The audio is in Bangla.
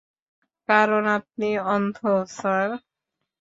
কারণ আপনি অন্ধ স্যার।